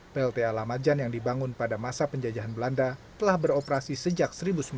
plta lamajan yang dibangun pada masa penjajahan belanda telah beroperasi sejak seribu sembilan ratus sembilan puluh